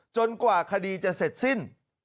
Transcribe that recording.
กว่าคดีจะเสร็จสิ้น